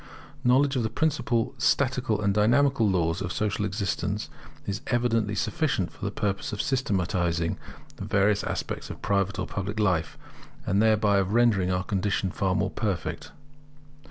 Knowledge of the principal statical and dynamical laws of social existence is evidently sufficient for the purpose of systematizing the various aspects of private or public life, and thereby of rendering our condition far more perfect.